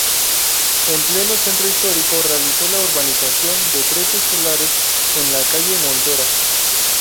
En pleno centro histórico realizó la urbanización de trece solares en la calle Montera.